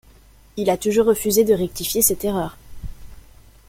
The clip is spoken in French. Il a toujours refusé de rectifier cette erreur.